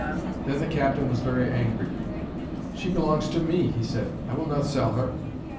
Then the captain was very angry. 'She belongs to me,' he said. 'I will not sell her.'